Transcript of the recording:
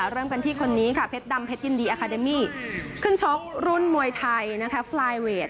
เริ่มกันที่คนนี้ค่ะเพชรดำเพชรยินดีอาคาเดมี่ขึ้นชกรุ่นมวยไทยฟลายเวท